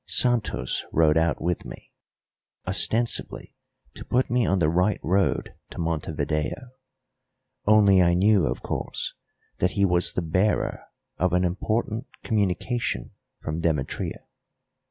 Santos rode out with me, ostensibly to put me on the right road to Montevideo; only I knew, of course, that he was the bearer of an important communication from Demetria.